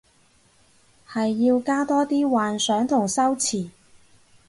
係要加多啲幻想同修辭